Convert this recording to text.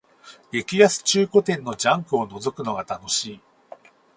激安中古店のジャンクをのぞくのが楽しい